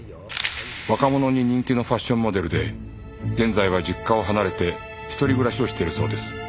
若者に人気のファッションモデルで現在は実家を離れて一人暮らしをしているそうです。